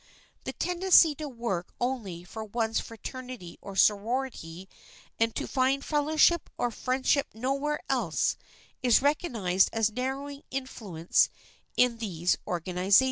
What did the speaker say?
The tendency to work only for one's fraternity or sorority and to find fellowship or friendship nowhere else is recognized as a narrowing influence in these organizations.